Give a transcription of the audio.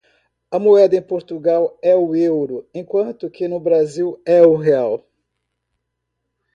A moeda em Portugal é o Euro, enquanto que no Brasil é o Real.